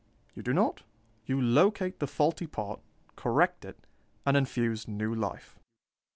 You do not; you locate the faulty part, correct it, and infuse new life.